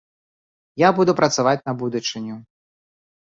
Я буду працаваць на будучыню.